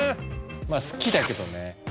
まあ好きだけどね。